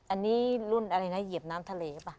อันนี้รุ่นอะไรนะเหยียบน้ำทะเล